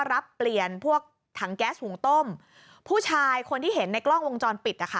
รับเปลี่ยนพวกถังแก๊สหุงต้มผู้ชายคนที่เห็นในกล้องวงจรปิดนะคะ